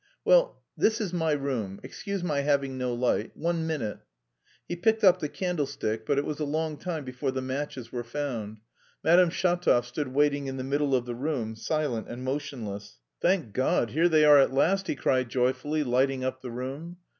Well, this is my room. Excuse my having no light... One minute!" He picked up the candlestick but it was a long time before the matches were found. Madame Shatov stood waiting in the middle of the room, silent and motionless. "Thank God, here they are at last!" he cried joyfully, lighting up the room.